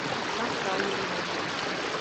Ma sa awu no wo.